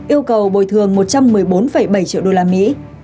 yêu cầu bồi thường một trăm một mươi bốn bảy triệu đô la mỹ